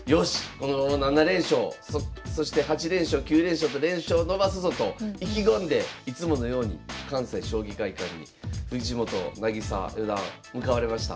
このまま７連勝そして８連勝９連勝と連勝をのばすぞと意気込んでいつものように関西将棋会館に藤本渚四段向かわれました。